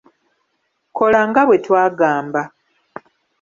Kola nga bwe twagamba.